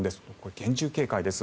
厳重警戒です。